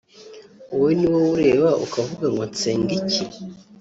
wowe ni wowe ureba ukavuga ngo nsenga iki